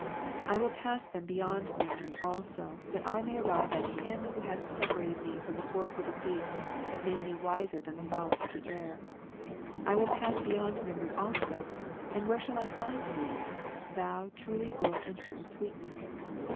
I will pass then beyond memory also, that I may arrive at Him who hath separated me from the four footed beasts and made me wiser than the fowls of the air, I will pass beyond memory also, and where shall I find Thee, Thou truly good and certain sweetness?